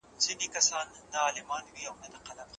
مشر وویل چي د کندهار پښتو زموږ ویاړ دی.